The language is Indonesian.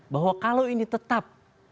bahwa kalau ini tetap